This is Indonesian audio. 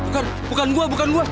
bukan bukan gue bukan gue